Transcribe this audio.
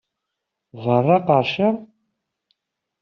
Berraɣ qerrceɣ!